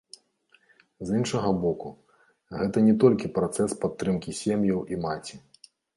З іншага боку, гэта не толькі працэс падтрымкі сем'яў і маці.